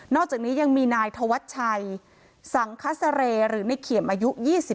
อกจากนี้ยังมีนายธวัชชัยสังคเสรหรือในเขียมอายุ๒๓